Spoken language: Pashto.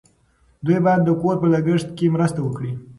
دوی باید د کور په لګښت کې مرسته وکړي.